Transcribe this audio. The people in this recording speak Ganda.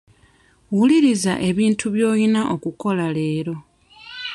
Wuliriza ebintu by'olina okukola leero.